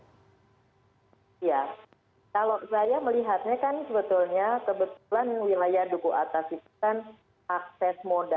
ya kalau saya melihatnya kan sebetulnya kebetulan wilayah duku atas itu kan akses modal